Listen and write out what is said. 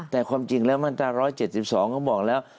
แต่ความจริงแล้วมาตรา๑๗๒เขาบอกแล้ว